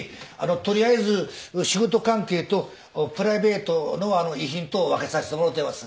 取りあえず仕事関係とプライベートの遺品とを分けさせてもろてます。